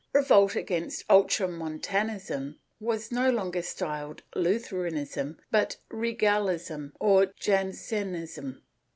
Revolt against Ultramontanism was no longer styled Lutheranism but Regalism or Jansenism.